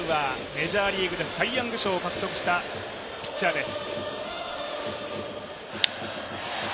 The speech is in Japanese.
メジャーリーグでサイ・ヤング賞を獲得したピッチャーです。